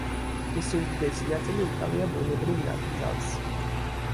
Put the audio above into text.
მისი უდიდესი ნაწილი უკავია ბუნებრივ ნაკრძალს.